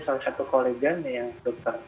salah satu kolegannya yang dokter